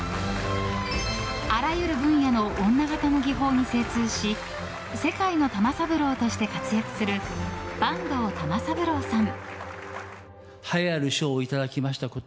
あらゆる分野の女形の技法に精通し世界の玉三郎として活躍する坂東玉三郎さん。